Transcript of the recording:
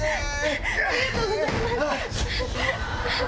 ありがとうございます。